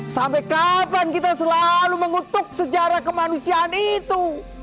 sampai kapan kita selalu mengutuk sejarah kemanusiaan itu